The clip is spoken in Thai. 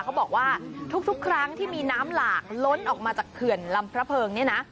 เขาบอกว่าทุกครั้งที่มีน้ำหลากล้นออกมาจากเขื่อนลำพระเพิงเนี่ยนะ